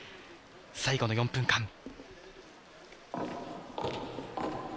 最後の４分間。